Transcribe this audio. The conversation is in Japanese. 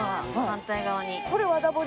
反対側に。